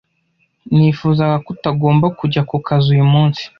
Nifuzaga ko utagomba kujya kukazi uyu munsi.